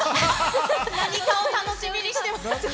何かを楽しみにしてます。